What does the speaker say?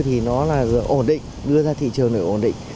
thì nó là ổn định đưa ra thị trường để ổn định